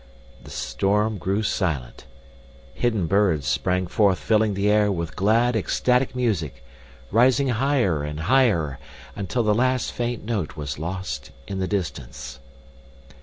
The storm grew silent; hidden birds sprang forth filling the air with glad, ecstatic music, rising higher and higher until the last faint note was lost in the distance.